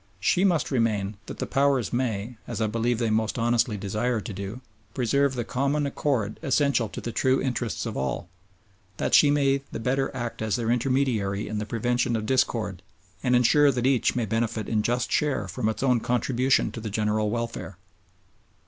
She must remain that the Powers may, as I believe they most honestly desire to do, preserve the common accord essential to the true interests of all; that she may the better act as their intermediary in the prevention of discord and ensure that each may benefit in just share from its own contribution to the general welfare.